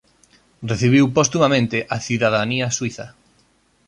Recibiu postumamente a cidadanía suíza.